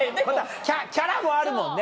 キャラもあるもんね。